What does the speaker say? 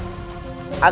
agar aku bisa menang